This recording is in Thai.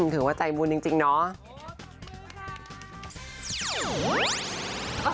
ถือว่าใจบุญจริงเนาะ